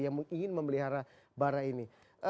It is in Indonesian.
yang ingin memelihara bara ini